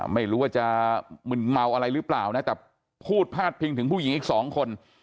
ไม่รู้ว่าจะมึนเมาอะไรหรือเปล่านะแต่พูดพาดพิงถึงผู้หญิงอีกสองคน